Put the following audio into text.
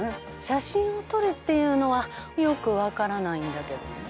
「写真を撮れ」っていうのはよく分からないんだけどね。